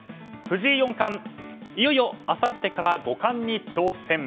藤井四冠、いよいよあさってから五冠に挑戦。